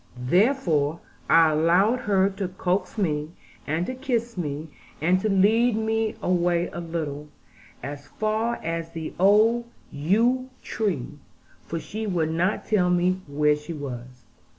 Therefore I allowed her to coax me, and to kiss me, and to lead me away a little, as far as the old yew tree; for she would not tell me where she was.